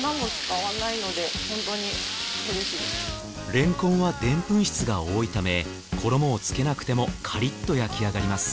れんこんはでんぷん質が多いため衣をつけなくてもカリッと焼きあがります。